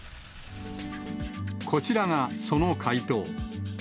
こちらがその回答。